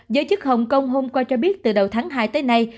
giới chức hồng kông hôm qua cho biết từ đầu tháng hai tới nay